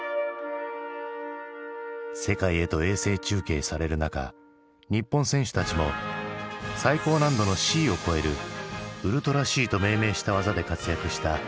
世界へと衛星中継される中日本選手たちも最高難度のＣを超える「ウルトラＣ」と命名した技で活躍した男子体操。